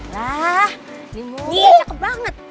nah ini mobilnya cakep banget